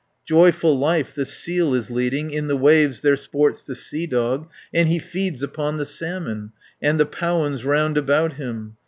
"Joyful life the seal is leading, In the waves there sports the sea dog, And he feeds upon the salmon, And the powans round about him.